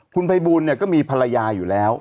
คุณภัยบูลก็มีภรรยาอยู่แล้ว